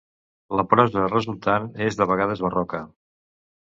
La prosa resultant és de vegades barroca.